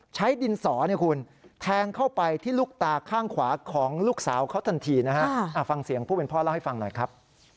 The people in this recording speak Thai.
ใช้ดินสอเนี่ยคุณแทงเข้าไปที่ลูกตาข้างขวาของลูกสาวเขาทันทีนะฮะฟังเสียงผู้เป็นพ่อเล่าให้ฟังหน่อยครับ